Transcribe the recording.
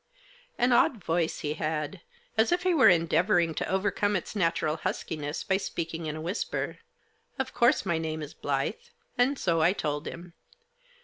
" An odd voice he had ; as if he were endeavouring to overcome its natural huskiness by speaking in a whisper. Of course my name is Blyth, and so I told him.